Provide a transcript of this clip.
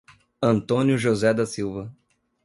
Antônio José da Silva